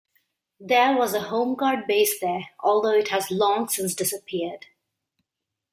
There was a Home Guard base there, although it has long since disappeared.